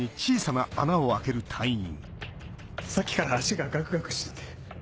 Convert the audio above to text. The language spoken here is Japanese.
さっきから足がガクガクしちゃって。